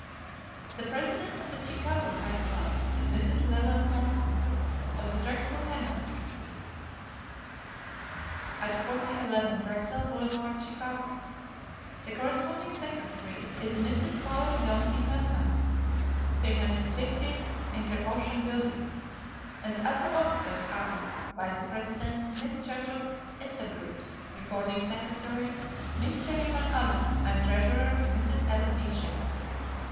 The president of the Chicago Cat Club is Mrs. Leland Norton, of the Drexel Kennels, at 4011 Drexel Boulevard, Chicago. The corresponding secretary is Mrs. Laura Daunty Pelham, 315 Interocean Building, and the other officers are: Vice president, Miss Gertrude Estabrooks; recording secretary, Miss Jennie Van Allen; and treasurer, Mrs. Ella B. Shepard.